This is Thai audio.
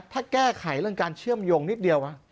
ถ้าแก้ไขเรื่องการเชื่อมโยงนิดเดียว